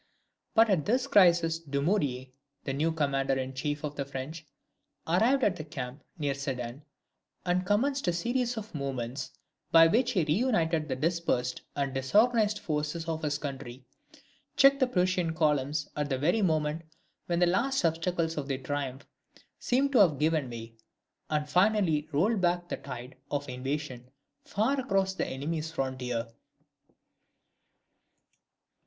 But at this crisis Dumouriez, the new commander in chief of the French, arrived at the camp near Sedan, and commenced a series of movements, by which he reunited the dispersed and disorganized forces of his country, checked the Prussian columns at the very moment when the last obstacles of their triumph seemed to have given way, and finally rolled back the tide of invasion far across the enemy's frontier.